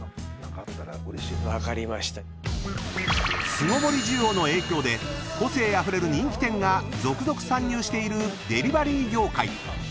［巣ごもり需要の影響で個性あふれる人気店が続々参入しているデリバリー業界］